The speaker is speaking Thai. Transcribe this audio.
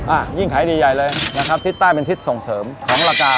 อ่ะยิ่งขายดีใหญ่เลยนะครับทิศใต้เป็นทิศส่งเสริมของราคา